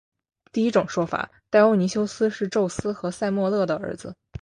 第一种说法戴欧尼修斯是宙斯和塞墨勒的儿子。